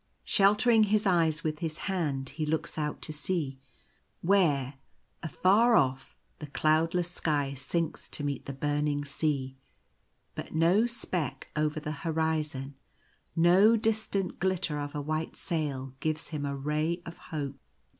Shel tering his eyes with his hand, he looks out to sea, where, afar off, the cloudless sky sinks to meet the burn ing sea ; but no speck over the horizon — no distant glitter of a white sail — gives him a ray of hope.